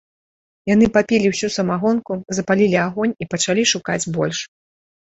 Яны папілі ўсю самагонку, запалілі агонь і пачалі шукаць больш.